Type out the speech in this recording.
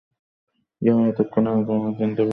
Yeah, এতক্ষণে আমি তোমাকে চিনতে পারছি।